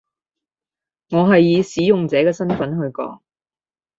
我係以使用者嘅身分去講